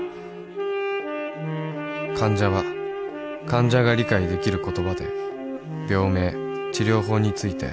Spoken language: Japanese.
患者は患者が理解できる言葉で病名治療法について